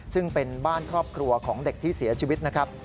ซึ่งเป็นบ้านครอบครัวของเด็กที่เสียชีวิตนะครับ